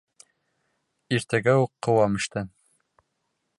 Иртәгә үк ҡыуам эштән!